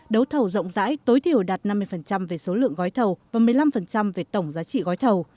đấu thầu rộng rãi tối thiểu đạt năm mươi về số lượng gói thầu và một mươi năm về tổng giá trị gói thầu